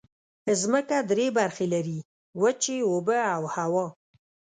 ځمکه درې برخې لري: وچې، اوبه او هوا.